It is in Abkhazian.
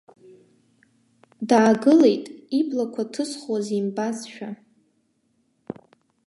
Даагылеит иблақәа ҭызхуаз имбазшәа.